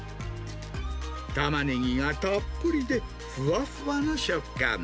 タマネギがたっぷりでふわふわな食感。